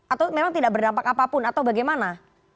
atau memang tidak berdampak apapun atau bagaimana